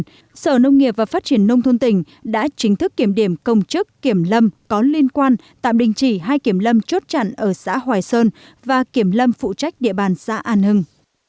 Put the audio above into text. trước đó ngày một mươi năm tháng chín sở nông nghiệp và phát triển nông thôn tỉnh đã chính thức kiểm điểm công chức kiểm lâm có liên quan tạm đình chỉ hai kiểm lâm chốt chặn ở xã hoài sơn và kiểm lâm phụ trách địa bàn xã an hưng